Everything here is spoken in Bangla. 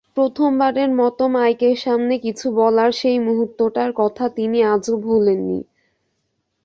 প্রথমবারের মতো মাইকের সামনে কিছু বলার সেই মুহূর্তটার কথা তিনি আজও ভোলেননি।